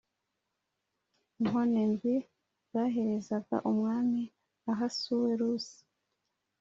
, inkone ndwi zaherezaga Umwami Ahasuwerusi